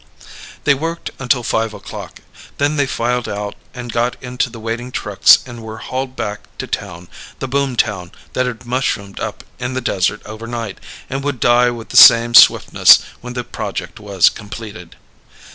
They worked until five o'clock. Then they filed out and got into the waiting trucks and were hauled back to town; the boom town that had mushroomed up in the desert overnight and would die with the same swiftness when the project was completed.